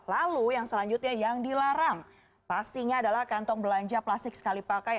lalu yang selanjutnya yang dilarang pastinya adalah kantong belanja plastik sekali pakai